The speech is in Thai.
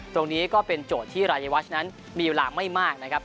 ตรงนี้ก็เป็นโจทย์ที่รายวัชนั้นมีเวลาไม่มากนะครับ